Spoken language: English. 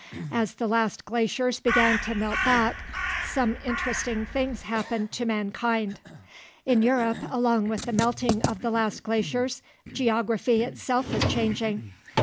As the last glaciers began to melt back some interesting things happened to mankind. In Europe, along with the melting of the last glaciers, geography itself was changing.